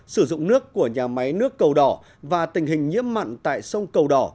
sử dụng nước của nhà máy nước cầu đỏ và tình hình nhiễm mặn tại sông cầu đỏ